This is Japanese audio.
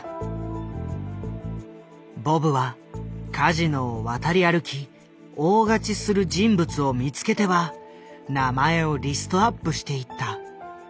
ボブはカジノを渡り歩き大勝ちする人物を見つけては名前をリストアップしていった。